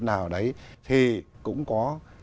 nào đấy thì cũng có